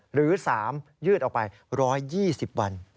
หรือ๓ยืดออกไป๑๒๐วัน